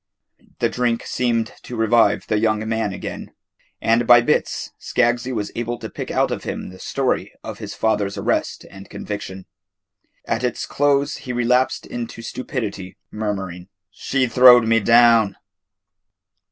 The drink seemed to revive the young man again, and by bits Skaggs was able to pick out of him the story of his father's arrest and conviction. At its close he relapsed into stupidity, murmuring, "She throwed me down."